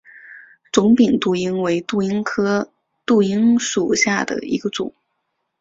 肿柄杜英为杜英科杜英属下的一个种。